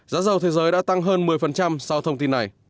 giá dầu thế giới đã tăng hơn một mươi sau thông tin này